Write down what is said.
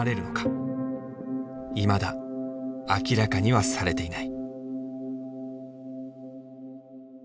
いまだ明らかにはされていない。